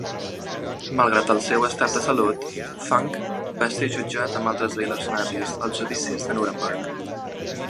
Malgrat el seu estat de salut, Funk va ser jutjat amb altres líders nazis als judicis de Nuremberg.